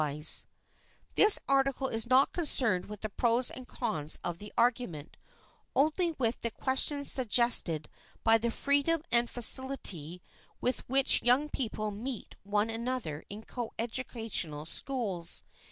[Sidenote: THE SOCIAL AMENITIES] This article is not concerned with the pros and cons of the argument, only with the questions suggested by the freedom and facility with which young people meet one another in coeducational schools.